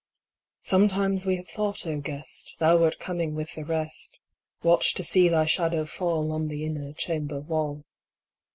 Sometimes we have thought, O Guest, Thou wert coming with the rest, Watched to see thy shadow fall On the inner chamber wall.